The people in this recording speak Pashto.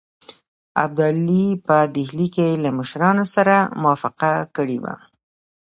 ابدالي په ډهلي کې له مشرانو سره موافقه کړې وه.